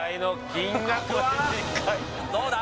どうだ？